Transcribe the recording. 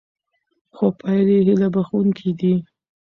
خو پایلې هیله بښوونکې دي.